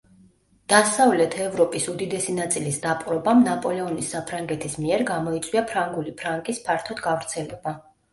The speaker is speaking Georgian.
დასავლეთ ევროპის უდიდესი ნაწილის დაპყრობამ ნაპოლეონის საფრანგეთის მიერ გამოიწვია ფრანგული ფრანკის ფართოდ გავრცელება.